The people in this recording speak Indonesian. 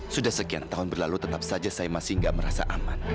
sudah sekian tahun berlalu tetap saja saya masih gak merasa aman